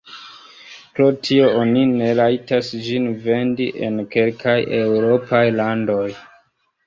Pro tio oni ne rajtas ĝin vendi en kelkaj eŭropaj landoj.